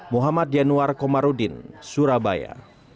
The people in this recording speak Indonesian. muhammad yanuar komarudin surabaya